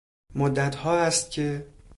مدتها است که...